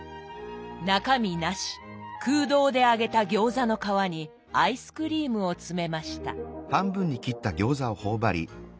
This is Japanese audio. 中身なし空洞で揚げた餃子の皮にアイスクリームを詰めました。